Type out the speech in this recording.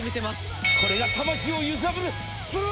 これが魂を揺さぶるプロレスだ！